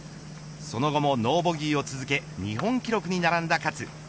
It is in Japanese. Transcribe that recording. その後もノーボギーを続け日本記録に並んだ勝。